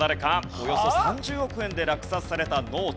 およそ３０億円で落札されたノート。